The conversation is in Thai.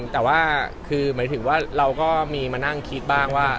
แต่ว่าคือหมายถึงว่าเราก็มีมานั่งคิดบ้างว่า